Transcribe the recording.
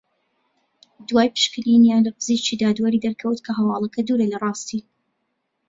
دوای پشکنینیان لە پزیشکی دادوەری دەرکەوت کە هەواڵەکە دوورە لە راستی